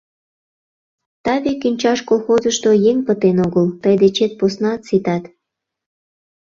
Таве кӱнчаш колхозышто еҥ пытен огыл, тый дечет поснат ситат.